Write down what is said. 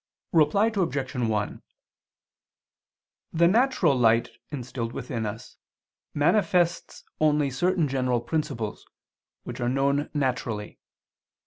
Reply Obj. 1: The natural light instilled within us, manifests only certain general principles, which are known naturally.